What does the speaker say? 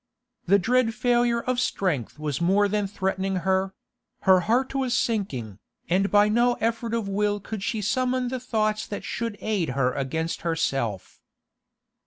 The dread failure of strength was more than threatening her; her heart was sinking, and by no effort of will could she summon the thoughts that should aid her against herself.